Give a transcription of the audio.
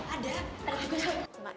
ada ada tugas